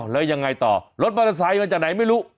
แล้วยังไงต่อรถมอเตอร์ไซค์มาจากไหนไม่รู้